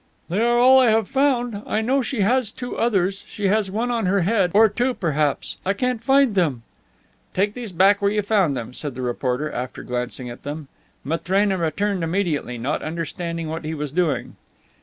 "They are all I have found. I know she has two others. She has one on her head, or two, perhaps; I can't find them." "Take these back where you found them," said the reporter, after glancing at them. Matrena returned immediately, not understanding what he was doing.